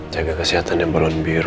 jaga kesehatan yang balon biru